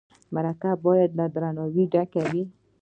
مرکه باید له درناوي ډکه وي.